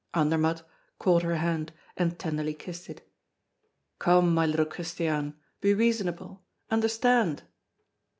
Andermatt caught her hand, and tenderly kissed it: "Come, my little Christiane, be reasonable understand."